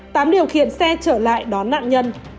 tám điều khiển xe trở lại đón nạn nhân